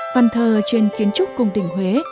văn thơ trên kiến trúc cung đình huế